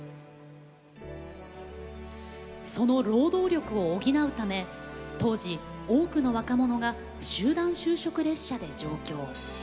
その労働力を補うため当時、多くの若者が集団就職列車で上京。